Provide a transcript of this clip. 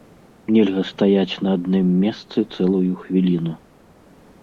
Нельга стаяць на адным месцы цэлую хвіліну.